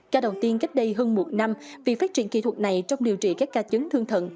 ca đầu tiên cách đây hơn một năm vì phát triển kỹ thuật này trong điều trị các ca chấn thương thận